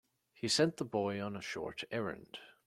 He sent the boy on a short errand.